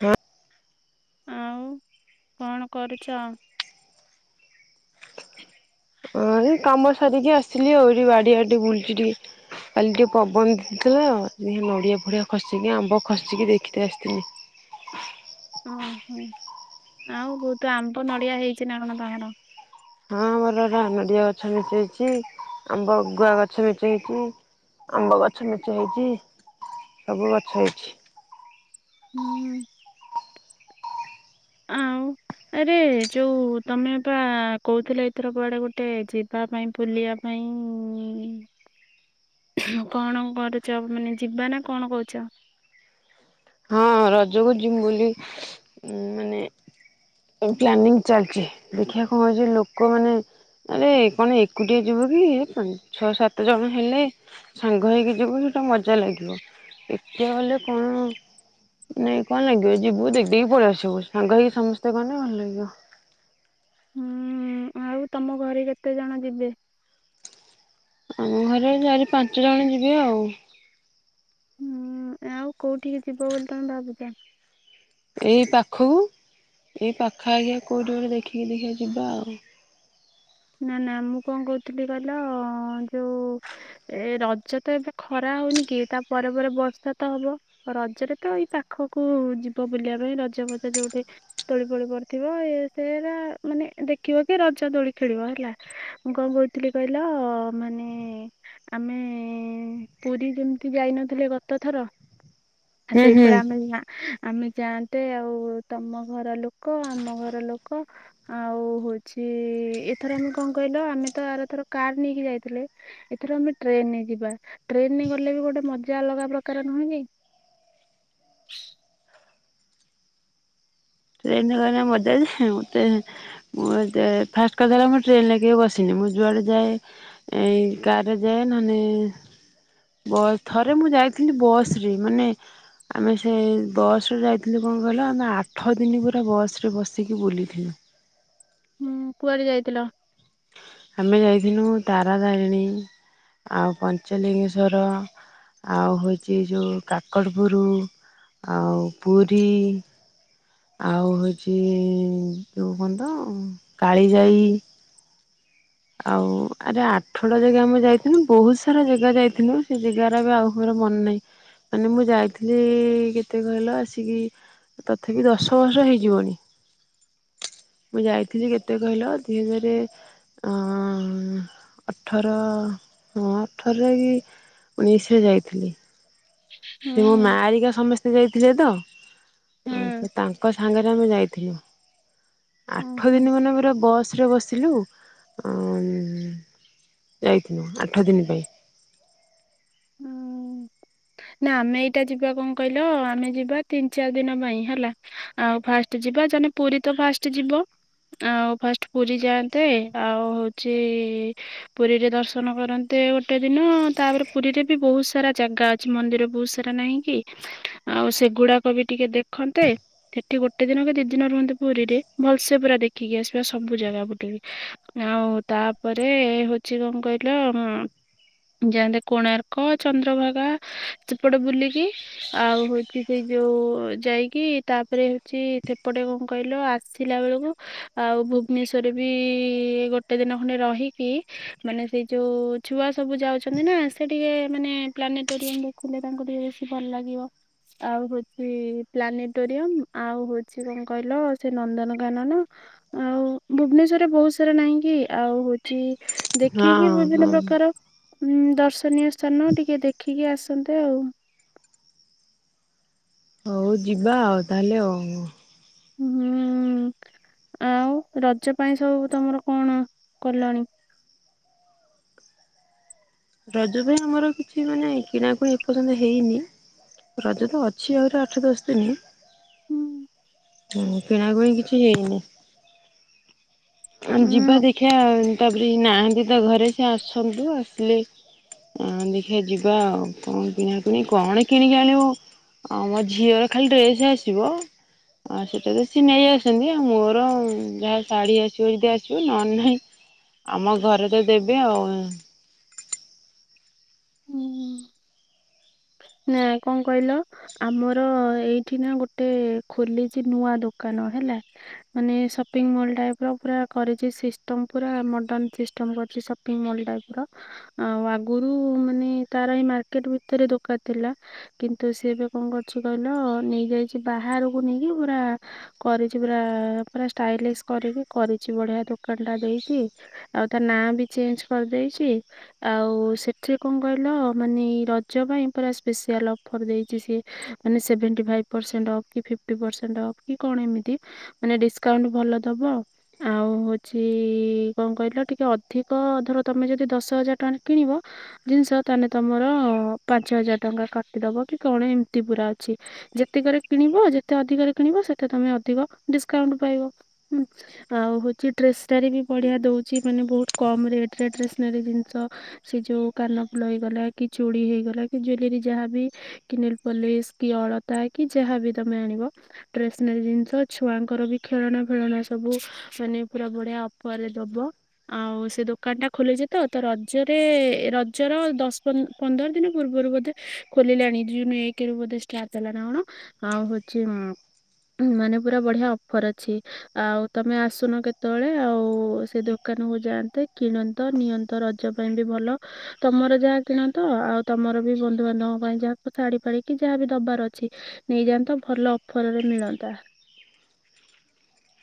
ହୁଁ। ଆଉ କଣ କରୁଚ? ଅ ହେ କାମ ସାରିକି ଆସିଲି ଆଉ ଏଠି ବାଡିଆ ଟେ ବୁଲଚି ଟିକେ। କାଲି ଟିକେ ପବନ୍ ଦେଇଥିଲା ନଡ଼ିଆ ଭଡ଼ିଆ ଖସିକି ଆମ୍ବ ଖସିକି ଦେଖି ଆସିଥିଲି। ଓହୋ ଆଉ ବୋହୁତୁ ଆମ୍ବ ନଡିଆ ହେଇଚି ନା କଣ ତମର? ହଁ ଆମର ହେରା ନଡ଼ିଆ ଗଛ ମେଞ୍ଚେ ହେଇଚି ଆମ୍ବ ଗୁଆ ଗଛ ମେଞ୍ଚେ ହେଇଚି। ଆମ୍ବ ଗଛ ମେଞ୍ଚୈ ହେଇଚି ସବୁ ଗଛ ହେଇଚି। ହୁଁ ଆଉ ଆରେ ଯୋଉ ତମେ ବା କହୁଥିଲ ଏଇଥର କୁଆଡେ ଗୋଟେ ଯିବା ପାଇଁ ବୁଲିବା ପାଇଁ ଇଁ। କଣ କରୁଚ ମାନେ ଯିବା ନା କଣ କୋହୁଚ? ହଁ ରଜକୁ ଯିମୁ ବୋଲି ମାନେ ପ୍ଲାନିଂ ଚାଲ୍ଚି ଦେଖିବା କଁ ହୋଉଚି ଲୋକମାନେ ଆରେ କଣ ଏକୁଟିଏ ଯିବୁ କି ଛଅ ସାତ ଜଣ ହେଲେ ସାଙ୍ଗ ହେଇକି ଯିବୁ ସେଇଟା ମଜା ଲାଗିବ ଏକା ଗଲେ କଣ ନାଇଁ କଣ ଲାଗିବ ଯିବୁ ଦେଖ୍ ଦେଦକି ପଳି ଆସିବୁ, ସାଙ୍ଗ ହେଇକି ସମସ୍ତେ ଗନେ ଭଲ୍ ଲାଗିବ। ହୁଁ ଆଉ ତମ ଘରେ କେତେ ଜଣ ଯିବେ? ଆମ ଘରେ ଚାରି ପାଞ୍ଚ ଜଣ ଯିବେ ଆଉ। ହୁଁ ଆଉ କୋଉଠିକି ଯିବ ବୋଲି ତମେ ଭାବୁଚ? ଏଇ ପାଖକୁ ଏଇ ପାଖ ଆଖିଆ ଦେଖିକି କେଉଠି ଗୋଟେ ଦେଖିକି ଦେଖିଆ ଯିବା ଆଉ। ନା ନା ମୁଁ କଁ କହୁଥିଲି କହିଲ ଯୋଉ। ଏ ରଜ ତ ଏବେ ଖରା ହୋଉନି କି ତା ପରେ ପରେ ବର୍ଷା ତ ହବ। ରଜରେ ତ ଏଇ ପାଖକୁ ଯିବ ବୁଲିବା ପାଇଁ ରଜ ଭଜ ଯୋଉଠେ ତୋଳି ପୋଳି ପଡିଥିବ ଏ ସେରା ମାନେ ଦେଖିବ କି ରଜ ଦୋଳି। ଖେଳିବ ହେଲା ମୁଁ କଣ କହୁଥିଲି କହିଲ ମାନେ ଆମେ ପୁରୀ ଯେମିତି ଯାଇନଥିଲେ ଗତ ଥର ଆ ହୁଁ ହୁଁ ସେପଳିଆ ଆମେ ଯି ଆମେ ଯାଆନ୍ତେ ଆଉ ତମ ଘର ଲୋକ ଆମ ଘର ଲୋକ। ଆଉ ହଉଛି ଏଥର ଆମେ କଣ କହିଲ ଆମେ ତ ଆର ଥର କାର ନେଇକି ଯାଇଥିଲେ। ଏଥିର ଆମେ ଟ୍ରେନରେ ଯିବା ଟ୍ରେନ ଗଲେ ବି ଗୋଟେ ମଜା ଅଲଗା ପ୍ରକାର ନୁହେଁ କି? ଟ୍ରେନ ରେ ଗନେ ମଜାଯେ ଟ୍ରେନ। ମୁଁ ଦେ ଫାଷ୍ଟ କଥା ହେଲା ମୁଁ ଟ୍ରେନରେ କେବେ ବସିନି ମୁଁ ଯୁଆଡେ ଯାଏ। ଏଇ କାର ରେ ଯାଏ ନନେ। ବସ୍ ଥରେ ମୁଁ ଯାଇଥିଲି ବସ ରେ ମାନେ ଆମେ ସେ ବସରେ ଯାଇଥିଲୁ କଣ କହିଲ ଆମେ ଆଠ ଆଠ ଦିନି ପୁରା ବସ୍ ରେ ବସିକି ବୁଲିଥିନୁ। ହୁଁ କୁଆଡେ ଯାଇଥିଲ? ଆମେ ଯାଇଥିନୁ ତାରା ତାରିଣୀ। ଆଉ ପଞ୍ଚଲିଙ୍ଗେଶ୍ଵର। ଆଉ ହେଉଛି ଯେଉଁ କାକଟପୁର ଆଉ ପୁରୀ। ଆଉ ହେଉଛି ଯେଉଁ କଣ ତ କାଳିଜାଇ। ଆଉ ଆରେ ଆଠଟା ଜାଗା ଆମେ ଯାଇଥିଲୁ ବହୁତ ସାରା ଜାଗା ଯାଇଥିଲୁ ସେ ଜାଗା ଗୁରା ଆଉ। ମୋର ମନ ନାହିଁ ମାନେ ମୁଁ ଯାଇଥିଲି କେତେ କହିଲ ଆସିକି। ତଥାପି ଦଶ ବର୍ଷ ହେଇଯିବଣି। ମୁଁ ଯାଇଥିଲି କେତେ କହିଲ ଦିଇ ହଜାର। ଅଁ ଅଁ ଅଠର ହଁ ଅଠରରେ ବି। ଉଣେଇଶରେ ଯାଇଥିଲି। ସେ ମୋ ମା ହୁଁ ଆରିକା ସମସ୍ତେ ଯାଇଥିଲେ ତ। ଆ ହୁଁ ତ ତାଙ୍କ ସାଙ୍ଗରେ ଆମେ ଯାଇଥିଲୁ। ଆଠ ଓହୋ ଦିନ ମାନେ ପୁରା ବସ ରେ ବସିକି ଅଁ ଯାଇଥିନୁ ଆଠ ଦିନ ପାଇଁ। ହୁଁ। ନା ଆମେ ଏଇଟା ଯିବା କଣ କହିଲ ଆମେ ଯିବା ତିନି ଚାରି ଦିନ ପାଇଁ ହେଲା। ଆଉ ଫାଷ୍ଟ ଯିବା ଜାନେ ପୁରୀ ତ ଫାଷ୍ଟ ଯିବ। ଆଉ ଫାଷ୍ଟ ପୁରୀ ଯାଆନ୍ତେ ଆଉ ହଉଛି ପୁରୀରେ ଦର୍ଶନ କରନ୍ତେ ଗୋଟେ ଦିନ ତାପରେ ପୁରୀରେ ବି ବହୁତ ସାରା ଜାଗା ଅଛି। କି ମନ୍ଦିର ବହୁତ ସାରା ନାହିଁ କି ଆଉ ସେଗୁଡାକ ବି ଟିକେ ଦେଖନ୍ତେ। ସେଠି ଗୋଟେ ଦିନ କି ଦି ଦିନ ରୁହନ୍ତେ ପୁରୀରେ ଭଲସେ ପୁରା ଦେଖିକି ଆସିବା ସବୁ ଜାଗା ବୁଟେକି। ଆଉ ତାପରେ ହଉଛି କଣ କହିଲ ଉଁ। ଯାଆନ୍ତେ କୋଣାର୍କ, ଚନ୍ଦ୍ରଭାଗା। ସେପଟୁ ବୁଲିକି ଆଉ ହଉଛି ସେଇ ଯୋଉ ଯାଇକି ତାପରେ ହେଉଛି ଏପଟେ କଣ କହିଲ ଆସିଲା ବେଳକୁ ଆଉ ଭୁବନେଶ୍ଵର ବି ଗୋଟେ ଗୋଟେ ଦିନ ଖଣ୍ଡେ ରହିକି ମାନେ ସେଇ ଯୋଉ ଛୁଆ ସବୁ ଯାଉଛନ୍ତି ନା ସେ ଟିକେ ମାନେ ପ୍ଲାନିଂ କୋରିଅନ ଦେଖିଲେ ତାଙ୍କୁ ଟିକେ ବେଶୀ ଭଲ ଲାଗିବ। ଆଉ ହଉଛି ପ୍ଲାନେଟୋରିୟମ ଆଉ ହଉଛି କଣ କହିଲ ସେ ନନ୍ଦନକାନନ। ଆଉ ଭୁବନେଶ୍ୱରରେ ବହୁତ ସାରା ନାହିଁ କି ଆଉ ହଉଛି। ଦେଖିକି ବିଭିନ୍ନ ହଁ ପ୍ରକାର ଉଁ ଦର୍ଶନୀୟ ସ୍ଥାନ ଟିକେ ଦେଖ ଦେଖିକି ଆସନ୍ତେ ଆଉ। ହଉ ଯିବା ଆଉ ତାହେଲେ ଆଉ। ହୁଁ ଆଉ ରଜ ପାଇଁ ସବୁ ତମର କଣ କଲଣି? ରଜୁ ପାଇଁ ଆମର କିଛି ମାନେ କିଣାକୁଣି ଏ ପଯ୍ୟନ୍ତ ହେଇନି ରଜ ତ ଅଛି ଆହୁରି ଆଠ ଦଶ ଦିନ ଉଁ ହୁଁ କିଣାକୁଣି କିଛି ହେଇନି ଆମେ ଯିବା ଦେଖିବା ତାପରେ ଇଏ ନାହାନ୍ତି ତ ଘରେ ସିଏ ଆସନ୍ତୁ ଆସିଲେ ଆଁ ଦେଖିବା ଯିବା ଆଉ କଣ କିଣା କିଣି କଣ କିଣିକି ଆଣିବୁ ଆ ମୋ ଝିଅର ଖାଲି ଡ୍ରେସ ଆସିବ। ଆଉ ସେଇଟା ତ ସିଏ ନେଇ ଆସନ୍ତି ଆଉ ମୋର ଯାହା ଶାଢ଼ୀ ଆସିବ ଯଦି ଆସିବ ନହେନେ ନାହିଁ। ଆମ ଘରେ ତ ଦେବେ ଆଉ। ହୁଁ। ନା କଣ କହିଲ? ଆମର ଏଇଠି ନା ଗୋଟେ ଖୋଲିଛି ନୂଆ ଦୋକାନ ହେଲା ମାନେ ସପିଙ୍ଗ ମଲ୍ ଟାଇପର ପୁରା କରିଛି ସିଷ୍ଟମ ପୁରା ମଡର୍ଣ ସିଷ୍ଟମ କରିଛି। ସ ସପିଂ ମଲ ଟାଇପର ଆଉ ଆଗରୁ ମାନେ ତାର ଏଇ ମାର୍କେଟ୍ ଭିତରେ ଦୋକା ଥିଲା। କିନ୍ତୁ ସିଏ ଏବେ କଣ କରିଛି କହିଲ ନେଇଯାଇଛି ବାହାରକୁ ନେଇକି ପୁରା କରିଛି ପୁରା ପୁରା ଷ୍ଟାଇଲିସ କରିକି କରିଛି ବଢିଆ ଦୋକାନଟା ଦେଇଚି ଆଉ ତା ନାଁ ବି ଚେଞ୍ଜ୍ କରିଦେଇଛି। ଆଉ ସେଥିରେ କଣ କହିଲ ମାନେ ଏଇ ରଜ ପାଇଁ ପୁରା ସ୍ପେଶସିଆଲ୍ ଅଫର୍ ଦେଇଛି ସିଏ ମାନେ ସେଭେଣ୍ଟି ଫାଇଭ୍ ପରସେଣ୍ଟ ଅଫ୍ କି ଫିଫ୍ଟି ପରସେଣ୍ଟ ଅଫ୍। କି କଣ ଏମିତି ମାନେ ଡିସକାଉଣ୍ଟ ଭଲ ଦବ ଆଉ ହୋଉଛି କଣ କହିଲ ଟିକେ ଅଧିକ ଧର ତମେ ଯଦି ଦଶ ହଜାର ଟଙ୍କାରେ କିଣିବ ଜିନିଷ ତାହେଲେ ତମର ପାଞ୍ଚ ହଜାର ଟଙ୍କା କାଟିଦବ କି କଣ ଏମିତି ପୁରା ଅଛି। ଯେତେକରେ କିଣିବ ଯେତେ ଅଧିକରେ କିଣିବ ସେତେ ତମେ ଅଧିକ ଡିସକାଉଣ୍ଟ ପାଇବ। ଆଉ ହଉଛି ଟ୍ରେସନାରୀ ବି ବଢିଆ ଦୋଉଛି ମାନେ ବହୁତ କମ୍ ରେଟରେ ଟ୍ରେସନାରୀ ଜିନିଷ। ସେ ଯୋଉ କାନ ଫୁଲ ହେଇଗଲା କି ଚୁଡ଼ି ହେଇଗଲା ଜ୍ୟୁଲେରୀ ଯାହାବି କି ନେଲପଲିସ କି ଅଳତା କି ଯାହାବି ତମେ ଆଣିବ। ଟ୍ରେସନାରି ଜିନିଷ ଛୁଆଙ୍କର ବି ଖେଳଣା ଫେଳଣା ସବୁ ମାନେ ପୁରା ବଢିଆ ଅଫରେ ଦବ। ଆଉ ସେ ଦୋକାନଟା ଖୋଲିଛି ତ ତ ରଜରେ ରଜର ଦଶ ପନ୍ଦ ପନ୍ଦର ଦିନ ପୂର୍ବରୁ ବୋଧେ ଖୋଲିଲାଣି ଜୁନ ଏକରୁ ବୋଧେ ଷ୍ଟାର୍ଟ ହେଲାନା କଣ ଆଉ ହୋଉଛି ମାନେ ପୁରା ବଢିଆ ଅଫର ଅଛି। ଆଉ ତମେ ଆସୁନ କେତେବେଳେ ଆଉ ସେ ଦୋକାନକୁ ଯାଆନ୍ତେ କିଣ ନ୍ତ ନିଅନ୍ତ ରଜ ପାଇଁ ବି ଭଲ ତମର ଯାହା କିଣ ତ ଆଉ ତମର ବି ବନ୍ଧୁବାନ୍ଧବ ପାଇଁ ଯାହାକୁ ସାଢି ଫାଢିକିି ଯାହା ବିି ଦବାର ଅଛି ନେଇଯାଅନ୍ତ ଭଲ ଅଫରରେ ମିଳନ୍ତା।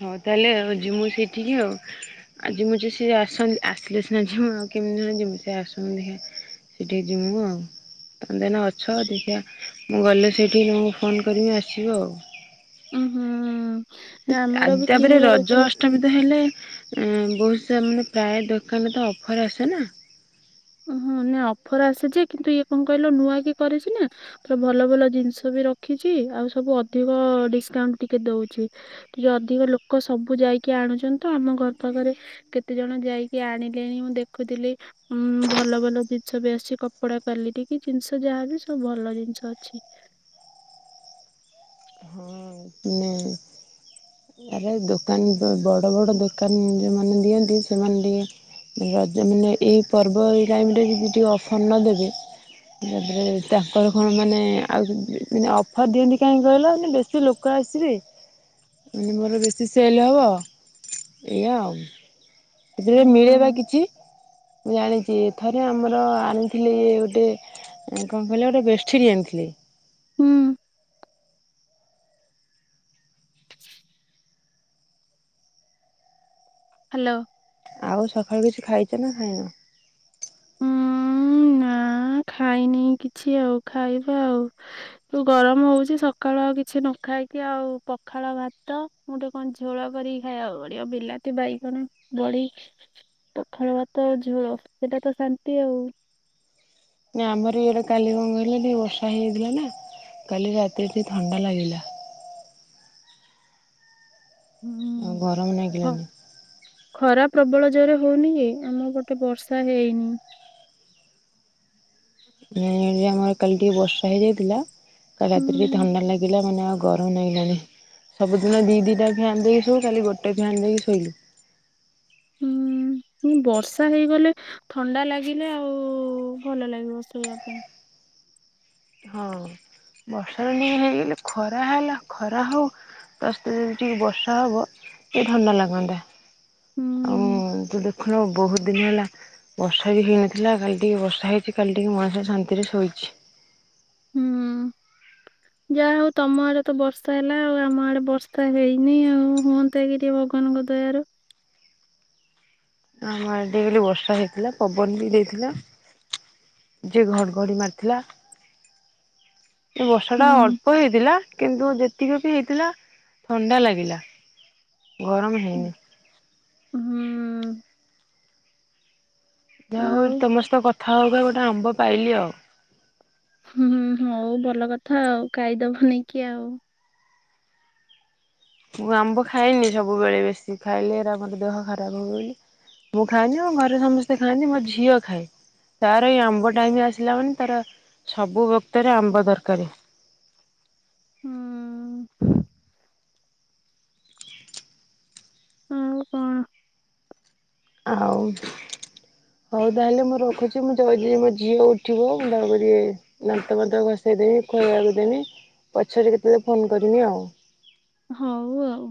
ହଉ ତାହେଲେ ଆଉ ଯିମୁ ସେଇଠିକି ଆଉ। ଆ ଯିମୁ ଯେ ସିଏ ଆସନ୍ତୁ ଆସିଲେ ସିନା ଯିମୁ ଆଉ କେମିତି ନହେନେ ଯିମୁ ସେ ଆସନ୍ତୁ ଦେଖିଆ। ସେଠିକି ଯିମୁ ଆଉ। ତମେ ତ ଏଇନା ଅଛ ଦେଖିବା ମୁଁ ଗଲେ ସେଇଠିକି ତମକୁ ଫୋନ୍ କରିବି ଆସିବ ଆଉ। ଉୁଁ ହୁଁ। ନା ଆ ଆମର ବି ତାପରେ କିଣିବାର ରଜ ଅଛି। ଅଷ୍ଟମୀ ତ ହେଲେ ବହୁତ ସାରା ମାନେ ପ୍ରାୟ ଦୋକାନରେ ତ ଅଫର୍ ଆସେ ନା। ଉଁ ହୁଁ ନା ଅଫର ଆସେ ଯେ କିନ୍ତୁ ଇଏ କଣ କହିଲ ନୂଆ କି କରିଛି ନା ପୁରା ଭଲ ଭଲ ଜିନିଷ ବି ରଖିଛି ଆଉ ସବୁ ଅଧିକ ଡିସକାଉଣ୍ଟ ଟିକେ ଦଉଛି। ଟିକେ ଅଧିକ ଲୋକ ସବୁ ଯାଇକି ଆଣୁଛନ୍ତି ତ ଆମ ଘର ପାଖରେ କେତେ ଜଣ ଯାଇକି ଆଣିଲେଣି ମୁଁ ଦେଖୁଥିଲି ଉଁ ଭଲ ଭଲ ଜିନିଷ ବି ଆସିଛି କପଡା କ୍ଵାଲିଟି କି ଜିନିଷ ଯାହାବି ସବୁ ଭଲ ଜିନିଷ ଅଛି। ହଁ ନେ ଆରେ ଦୋକାନ ବଡ଼ ବଡ଼ ଦୋକାନ ଯୋଉମାନେ ଦିଅନ୍ତି ସେମାନେ ଟିକେ ରଜ ମାନେ ଏଇ ପର୍ବ ଏଇ ଟାଇମରେ ଯଦି ଟିକେ ଅଫର୍ ନ ଦେବେ ତାପରେ ତାଙ୍କର କଣ ମାନେ ଆଉ ମାନେ ଅଫର ଦିଅନ୍ତି କାହିଁକି କହିଲ ମାନେ ବେଶି ଲୋକ ଆସିବେ ମାନେ ମୋର ବେଶୀ ସେଲ‌୍ ହେବ ଏଇଆ ଆଉ। ସେଥିରେ ମିଳେବ ହୁଁ କିଛି ମୁଁ ଜାଣିଚି ଥରେ ଆମର ଆଣିଥିଲେ ଇଏ ଗୋଟିଏ କଣ କହିଲେ ଗୋଟେ ବେଡ୍ ସିଡ଼ି ଆଣିଥିଲେ। ହୁଁ। ହ୍ୟାଲୋ। ଆଉ ସକାଳୁ କିଛି ଖାଇଛ ନା ଖାଇନ। ହୁଁ। ନା ଖାଇନି କିଛି ଆଉ ଖାଇବା ଆଉ। ଗରମ ହଉଚି ସକାଳୁଆ କିଛି ନ ଖାଇକି ଆଉ ପଖାଳ ଭାତ ମୁଁ ଗୋଟେ କଣ ଝୋଳ କରିକି ଖାଇ ଆ ପଡିବ ବିଲାତି ବାଇକଣ ବଢି ପଖଳ ଭାତ ଝୋଳ ସେଇଟା ତ ଶାନ୍ତି ଆଉ। ନା ଆମର ଇଏ ଗୋଟେ କାଲି କଁ କହେଲା ଟିକେ ବର୍ଷା ହେଇଯଥିଲା ନା କାଲି ରାତିରେ ଟିକେ ଥଣ୍ଡା ଲାଗିଲା। ଆଉ ହୁଁ ଗରମ ହଁ ଲାଗିଲାନି। ଖରା ପ୍ରବଳ ଜୋରରେ ହଉନି ଯେ ଆମ ଗଟେ ବର୍ଷା ହେଇନି। ଅ ଆମର କାଲି ଟିକେ ବର୍ଷା ହେଇଯାଇଥିଲା କାଲି ରାତିରେ ଟିକେ ହୁଁ ଥଣ୍ଡା ଲାଗିଲା ମାନେ ଆଉ ଗରମ ହେଇଗଲାଣି ସବୁଦିନ ଦି ଦିଟା ଫ୍ୟାନ୍ ଦେଇକି ଶୋଇଉ କାଲି ଗୋଟେ ଫ୍ୟାନ୍ ଦେଇକି ଶୋଇଲୁ। ହୁଁ ବର୍ଷା ହେଇଗଲେ। ଥଣ୍ଡା ଲାଗିଲେ ଆଉ ଭଲ ଲାଗିବ ଶୋଇବା ପାଇଁ। ହଁ ବର୍ଷାର ନେଇ ହେଇଗଲେ ଖରା ହେଲା ଖରା ହଉ। ତାସ୍ତେ ଯଦି ଟିକେ ବର୍ଷା ହବ ଏ ଥଣ୍ଡା ଲାଗନ୍ତା। ଆଉ ହୁଁ ତୁ ଦେଖୁନୁ ବହୁତ ଦିନ ହେଲା। ବର୍ଷା ବି ହେଇନଥିଲା କାଲି ଟିକେ ବର୍ଷା ହେଇଛି କାଲି ଟିକେ ମଣିଷ ଶାନ୍ତିରେ ଶୋଇଛି। ହୁଁ [inaudible] ଯାହା ହଉ ତମ ଆଡେ ତ ବର୍ଷା ହେଲା ଆଉ ଆମ ଆଡେ ବର୍ଷା ହେଇନି ଆଉ ହୁଅନ୍ତା କି ଟିକେ ଭଗବାନଙ୍କ ଦୟାରୁ। ଆମ ଆଡ଼େ ଟିକେ ଟିକେ ବର୍ଷା ହେଇଥିଲା ପବନ ବି ଦେଇଥିଲା। ଜୋରେ ଘଡଘଡି ମାରିଥିଲା। ଏ ବର୍ଷା ଟା ହୁଁ ଅଳ୍ପ ହେଇଥିଲା କିନ୍ତୁ ଯେ ଏତିକି ବି ହେଇଥିଲା ଥଣ୍ଡା ଲାଗିଲା ଗରମ ହେଇନି। ହୁଁ। ଯାହା ହଉ ଆଉ ତମ ସହ କଥା ହେଇକି ଗୋଟେ ଆମ୍ବ ପାଇଲି ଆଉ। ହୁଁ ହୁଁ ହଉ ଭଲ କଥା ଆଉ ଖାଇଦବ ବନେଇକି ଆଉ। ମୁଁ ଆମ୍ବ ଖାଇନି ସବୁବେଳେ ବେଶୀ ଖାଇଲେ ଆମର ଦେହ ଖରାପ ହଉ ବୋଲି। ମୁଁ ଖାଏନି ଆଉ ଘରେ ସମସ୍ତେ ଖାଆନ୍ତି ମୋ ଝିଅ ଖାଏ। ତାର ଏଇ ଆମ୍ବ ଟାାଇମ ଆସିଲା ମାନେ ତାର ସବୁ ବକ୍ତରେ ଆମ୍ବ ଦରକାରେ। ହୁଁ ଆଉ କଣ ଆଉ ହଉ ତାହେଲେ ମୁଁ ରଖୁଛି ମୁଁ ଜଲ ଦିଏମୋ ଝିଅ ଉଠିବ ମୁଁ ତା ଟିକେ ଦାନ୍ତ ବାନ୍ତ ଘଷେଇଦେବି ଖୁଆଇବାକୁ ଦେମି ପଛରେ କେତେବେଳେ ଫୋନ କରିବି ଆଉ। ହଉ ଆଉ।